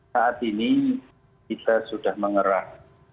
saat ini kita sudah mengerah